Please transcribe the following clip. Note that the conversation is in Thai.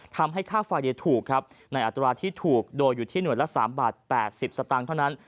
ค่าไฟถูกครับในอัตราที่ถูกโดยอยู่ที่หน่วยละ๓บาท๘๐สตางค์เท่านั้น